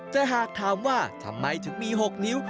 แต่หากถามว่าทำไมถึงมี๖นิ้ว